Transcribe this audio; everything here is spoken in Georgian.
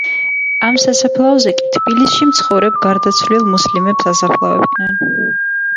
ამ სასაფლაოზე კი, თბილისში მცხოვრებ გარდაცვლილი მუსლიმებს ასაფლავებდნენ.